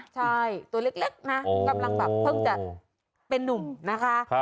ใช่ตัวเล็กนะกำลังแบบเพิ่งจะเป็นนุ่มนะคะ